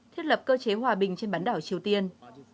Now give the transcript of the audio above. thiết lập cơ chế hòa bình trên bán đảo triều tiên